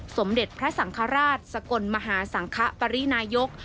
สมเด็จพระสังฆราชสกลมหาสังคปรินายก